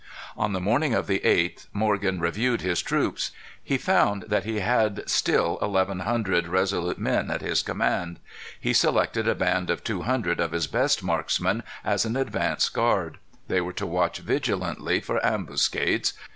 On the morning of the 8th, Morgan reviewed his troops. He found that he had still eleven hundred resolute men at his command. He selected a band of two hundred of his best marksmen as an advance guard. They were to watch vigilantly for ambuscades.